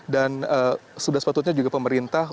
dan sudah sepatutnya juga pemerintah